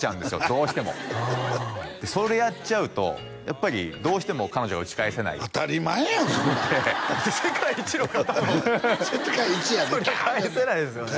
どうしてもでそれやっちゃうとやっぱりどうしても彼女は打ち返せない当たり前やん世界一の方の世界一がギャーンってそれは返せないですよね